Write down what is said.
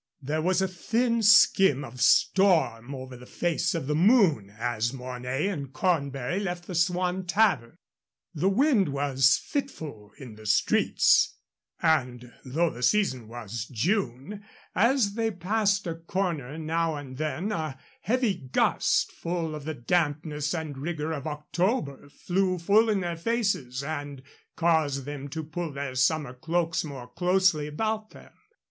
There was a thin skim of storm over the face of the moon as Mornay and Cornbury left the Swan Tavern. The wind was fitful in the streets, and, though the season was June, as they passed a corner now and then a heavy gust, full of the dampness and rigor of October, flew full in their faces and caused them to pull their summer cloaks more closely about them.